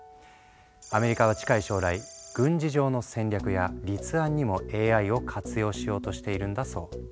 アメリカは近い将来軍事上の戦略や立案にもＡＩを活用しようとしているんだそう。